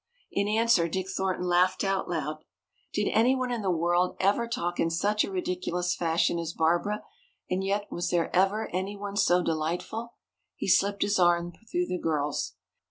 In answer Dick Thornton laughed out loud. "Did anyone in the world ever talk in such a ridiculous fashion as Barbara, and yet was there ever anyone so delightful?" He slipped his arm through the girl's.